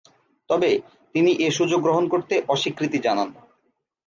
তবে, তিনি এ সুযোগ গ্রহণ করতে অস্বীকৃতি জানান।